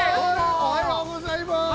おはようございます。